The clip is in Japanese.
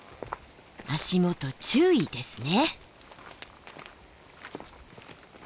足元注意ですね。